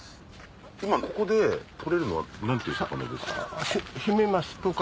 今ここで取れるのは何ていう魚ですか？